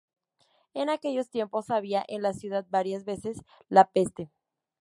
En aquellos tiempos había en la ciudad varias veces la peste.